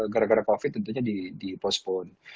gara gara covid tentunya dipostpone